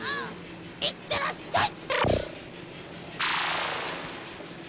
いってらっしゃい！